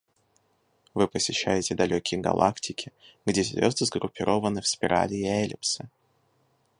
Вы посещаете далекие галактики, где звезды сгруппированы в спирали и эллипсы.